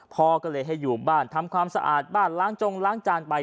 พ่อก็เลยให้อยู่บ้านทำความสะอาดบ้านล้างจงล้างจานไป